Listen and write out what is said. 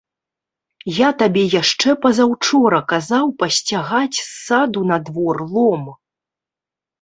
Я табе яшчэ пазаўчора казаў пасцягаць з саду на двор лом.